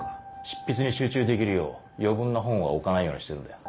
執筆に集中できるよう余分な本は置かないようにしてるんだよ。